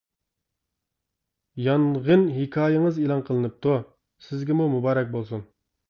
يانغىن ھېكايىڭىز ئېلان قىلىنىپتۇ، سىزگىمۇ مۇبارەك بولسۇن!